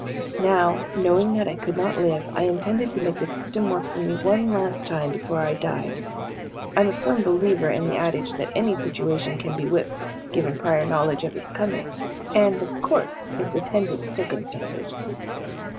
Now, knowing that I could not live, I intended to make the system work for me one last time before I died. I'm a firm believer in the adage that any situation can be whipped, given prior knowledge of its coming and, of course, its attendant circumstances.